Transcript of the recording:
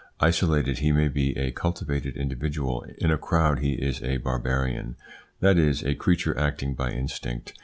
Isolated, he may be a cultivated individual; in a crowd, he is a barbarian that is, a creature acting by instinct.